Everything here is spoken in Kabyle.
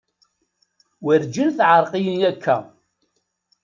Werǧin teεreq-iyi akka.